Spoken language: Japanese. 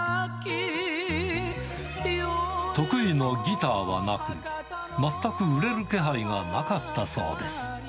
得意のギターはなく、全く売れる気配がなかったそうです。